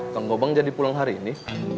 kang gobang jadi pulang hari ini